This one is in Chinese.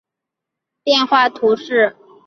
特讷伊人口变化图示